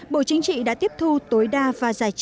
bộ chính trị đã tiếp thu tối đa và giải trình